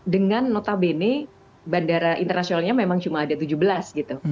dengan notabene bandara internasionalnya memang cuma ada tujuh belas gitu